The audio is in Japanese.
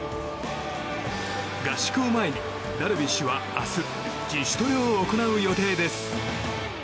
合宿を前にダルビッシュは明日自主トレを行う予定です。